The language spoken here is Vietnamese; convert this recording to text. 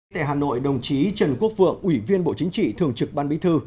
tại hà nội đồng chí trần quốc vượng ủy viên bộ chính trị thường trực ban bí thư